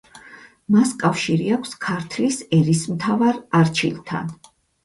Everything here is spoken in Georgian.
მას კავშირი აქვს ქართლის ერისმთავარ არჩილთან.